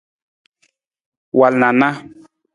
Wal na a na.